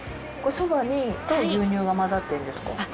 これ蕎麦と牛乳が混ざってるんですか？